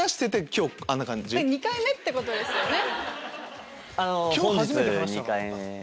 ２回目ってことですよね？